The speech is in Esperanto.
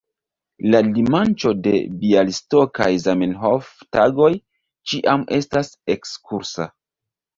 La dimanĉo de Bjalistokaj Zamenhof-Tagoj ĉiam estas ekskursa.